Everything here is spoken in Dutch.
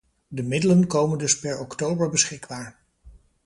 De middelen komen dus per oktober beschikbaar.